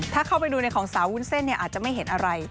ถ้าเข้าไปดูในของสาววุ้นเส้นเนี่ยอาจจะไม่เห็นอะไร